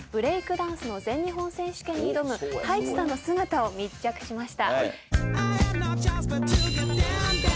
ダンスの全日本選手権に挑むＴａｉｃｈｉさんの姿を密着しました。